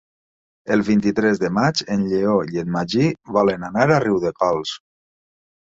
El vint-i-tres de maig en Lleó i en Magí volen anar a Riudecols.